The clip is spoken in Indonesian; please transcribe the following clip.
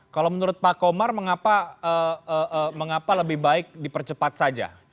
kalau menurut pak komar mengapa lebih baik dipercepat saja